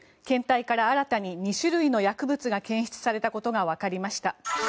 検体から新たに２種類の薬物が検出されたことがわかりました。